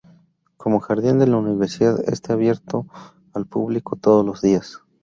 Como jardín de la universidad, este abierto al público todos los días.